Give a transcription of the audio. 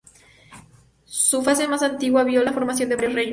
Su fase más antigua vio la formación de varios reinos.